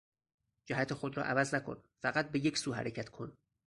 جهت خود را عوض نکن، فقط به یک سو حرکت کن.